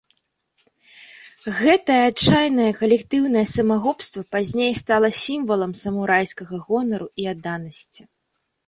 Гэтае адчайнае калектыўнае самагубства пазней стала сімвалам самурайскага гонару і адданасці.